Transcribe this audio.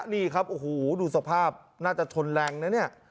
นี่ครับโอ้โหดูสภาพน่าจะทนแรงนะเนี่ย